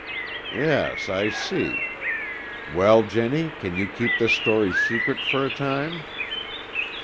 "Yes, I see. Well, Jennie, can you keep this story secret for a time?"